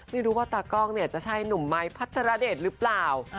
ไม่รู้ว่าตากล้องเนี่ยจะใช่หนุ่มไม้พัทรเดชหรือเปล่า